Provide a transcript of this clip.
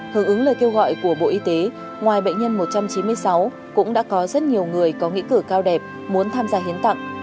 hướng ứng lời kêu gọi của bộ y tế ngoài bệnh nhân một trăm chín mươi sáu cũng đã có rất nhiều người có nghĩa cử cao đẹp muốn tham gia hiến tặng